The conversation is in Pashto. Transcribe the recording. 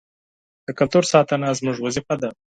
د کلتور ساتنه زموږ وظیفه ده.